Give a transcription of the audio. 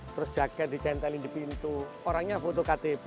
terus jaket dicentelin di pintu orangnya foto ktp